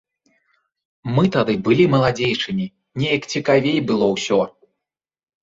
Мы тады былі маладзейшымі, неяк цікавей было ўсё.